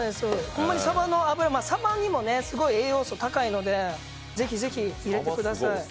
ほんまにサバの脂、サバもすごい栄養素高いので、ぜひぜひ、入れてください。